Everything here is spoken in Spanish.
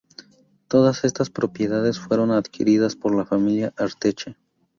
Todas estas propiedades fueron adquiridas por la familia Arteche.